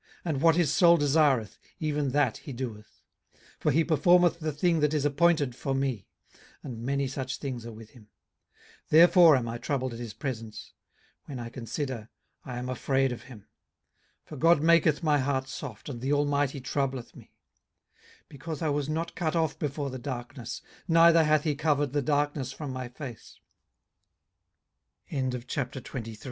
and what his soul desireth, even that he doeth. 18:023:014 For he performeth the thing that is appointed for me: and many such things are with him. 18:023:015 Therefore am I troubled at his presence: when I consider, I am afraid of him. 18:023:016 For God maketh my heart soft, and the Almighty troubleth me: 18:023:017 Because I was not cut off before the darkness, neither hath he covered the dark